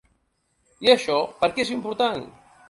I això per què és important?